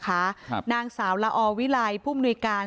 ครับนางสาวละอวิลัยผู้มนุยการ